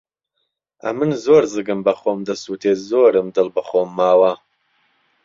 ئەمن زۆر زگم به خۆم دهسوتێ زۆرم دڵ به خۆم ماوه